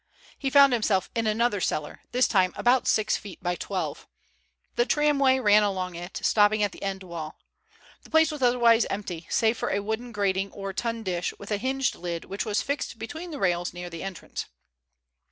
He found himself in another cellar, this time about six feet by twelve. The tramway ran along it, stopping at the end wall. The place was otherwise empty, save for a wooden grating or tun dish with a hinged lid which was fixed between the rails near the entrance.